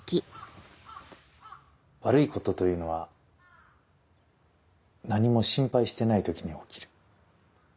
悪いことというのは何も心配してない時に起きる。